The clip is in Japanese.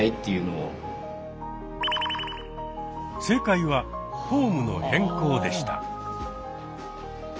正解は「フォームの変更」でした。